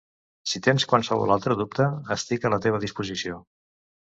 Si tens qualsevol altre dubte, estic a la teva disposició.